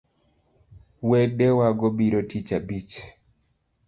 Wedewago biro tich abich